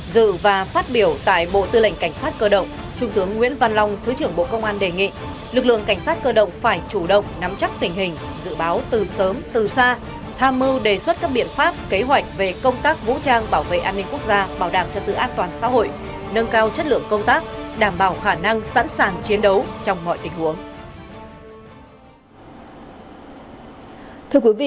dự và phát biểu tại bộ tư lệnh cảnh sát cơ động trung tướng nguyễn văn long thứ trưởng bộ công an đề nghị lực lượng cảnh sát cơ động phải chủ động nắm chắc tình hình dự báo từ sớm từ xa tham mưu đề xuất các biện pháp kế hoạch về công tác vũ trang bảo vệ an ninh quốc gia bảo đảm cho tự an toàn xã hội nâng cao chất lượng công tác đảm bảo khả năng sẵn sàng chiến đấu trong mọi tình huống